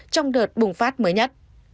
trong đợt bùng phát mới nhất